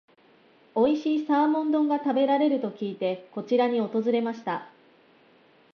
おいしいサーモン丼が食べれると聞いて、こちらに訪れました。